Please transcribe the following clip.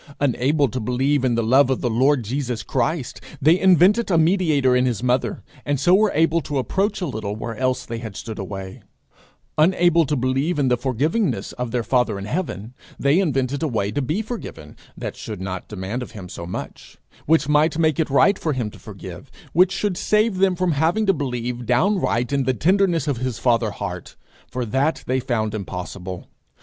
Unable to believe in the love of the Lord Jesus Christ, they invented a mediator in his mother, and so were able to approach a little where else they had stood away; unable to believe in the forgivingness of their father in heaven, they invented a way to be forgiven that should not demand of him so much; which might make it right for him to forgive; which should save them from having to believe downright in the tenderness of his father heart, for that they found impossible.